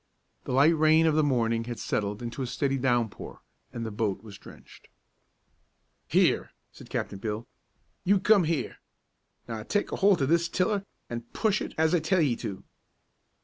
The light rain of the morning had settled into a steady downpour, and the boat was drenched. "Here!" said Captain Bill, "you come here. Now take a holt o' this tiller, an' push it as I tell ye to."